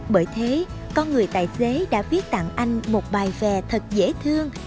bởi thế con người tài xế đã viết tặng anh một bài về thật dễ thương